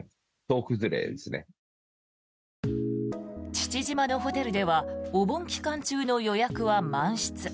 父島のホテルではお盆期間中の予約は満室。